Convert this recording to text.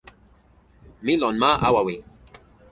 mi lon ma Awawi.